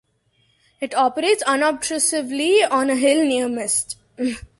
It operates unobtrusively on a hill near Mist.